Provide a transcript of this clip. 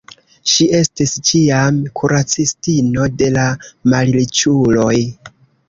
Ŝi estis ĉiam kuracistino de la malriĉuloj.